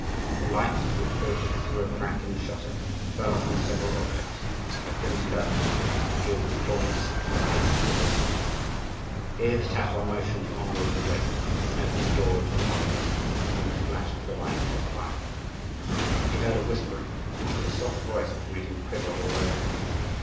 The light which filtered through a crack in the shutter fell upon several objects a crimson curtain, a gilded cornice, and a painting on the wall. Here the Tatar motioned to Andrii to wait, and opened the door into another room from which flashed the light of a fire. He heard a whispering, and a soft voice which made him quiver all over.